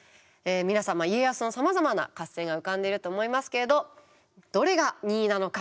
皆様家康のさまざまな合戦が浮かんでいると思いますけれどどれが２位なのか？